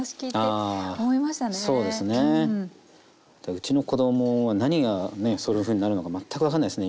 うちの子供は何がねそういうふうになるのか全く分かんないっすね